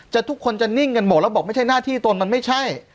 ทุกคนจะนิ่งกันหมดแล้วบอกไม่ใช่หน้าที่ตนมันไม่ใช่